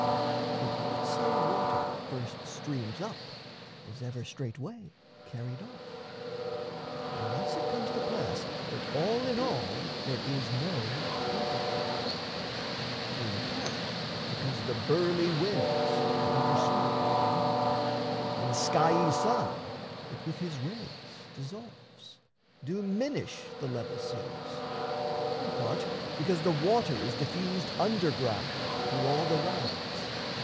But whatso water first Streams up is ever straightway carried off, And thus it comes to pass that all in all There is no overflow; in part because The burly winds (that over sweep amain) And skiey sun (that with his rays dissolves) Do minish the level seas; in part because The water is diffused underground Through all the lands.